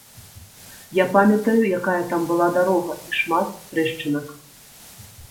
Я памятаю, якая там была дарога, і шмат трэшчынак.